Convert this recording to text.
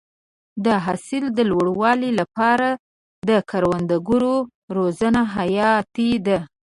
د حاصل د لوړوالي لپاره د کروندګرو روزنه حیاتي ده.